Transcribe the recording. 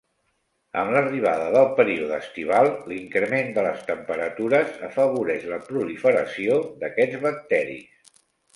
Amb l'arribada del període estival, l'increment de les temperatures afavoreix la proliferació d'aquests bacteris.